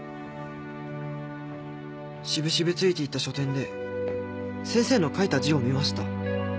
渋々ついていった書展で先生の書いた字を見ました。